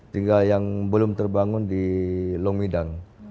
tinggal yang belum terbangun di long midang